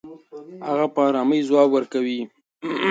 هغه په ارامۍ ځواب ورکوي.